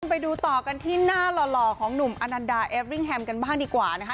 ไปดูต่อกันที่หน้าหล่อของหนุ่มอนันดาเอฟริ่งแฮมกันบ้างดีกว่านะคะ